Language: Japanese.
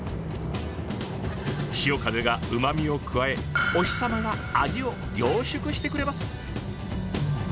潮風がうまみを加えお日様が味を凝縮してくれます。